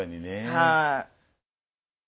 はい。